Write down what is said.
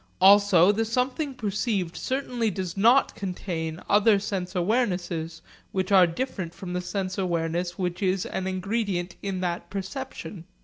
Also the something perceived certainly does not contain other sense awarenesses which are different from the sense awareness which is an ingredient in that perception.